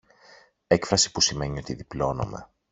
έκφραση που σημαίνει ότι διπλώνομαι